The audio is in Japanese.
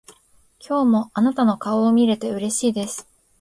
今日もあなたの顔を見れてうれしいです。